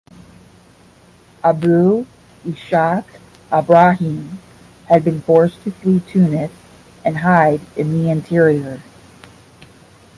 Abu Ishaq Ibrahim had been forced to flee Tunis and hide in the interior.